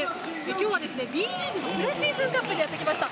今日はＢリーグのプレシーズンの会場にやってきました。